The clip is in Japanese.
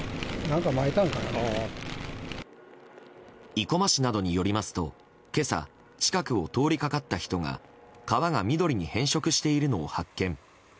生駒市などによりますと、今朝近くを通りかかった人が川が緑に変色しているのを発見。